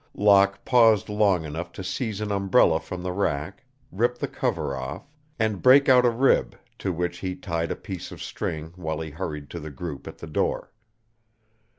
Locke paused long enough to seize an umbrella from the rack, rip the cover off, and break out a rib, to which he tied a piece of string while he hurried to the group at the door.